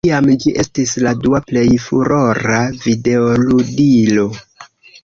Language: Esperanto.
Iam ĝi estis la dua plej furora videoludilo.